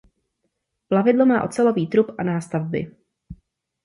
Plavidlo má ocelový trup a nástavby.